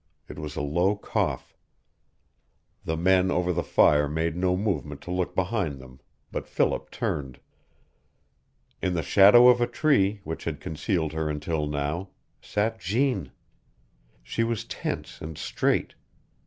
It was a low cough. The men over the fire made no movement to look behind them, but Philip turned. In the shadow of a tree, which had concealed her until now, sat Jeanne. She was tense and straight.